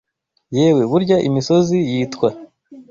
yewe burya imisozi yitwa!